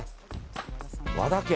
和田家。